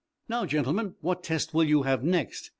"Now, gentlemen, what test will you have next?"